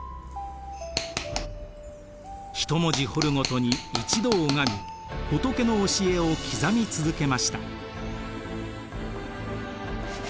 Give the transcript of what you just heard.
１文字彫るごとに一度拝み仏の教えを刻み続けました。